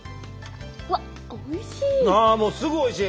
うわっおいしい。